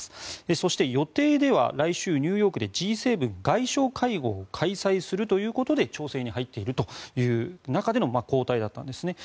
そして、予定では来週、ニューヨークでＧ７外相会合を開催するということで調整に入っているという中での交代だったんですね。